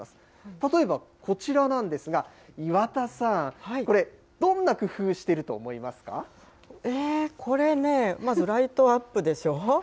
例えばこちらなんですが、岩田さん、これ、どんな工夫してると思えー、これね、まずライトアップでしょう？